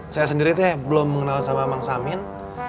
saya sendiri teh belum mengenal sama emang samin